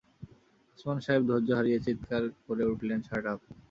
ওসমান সাহেব ধৈর্য হারিয়ে চিৎকার করে উঠলেন, শাট আপ।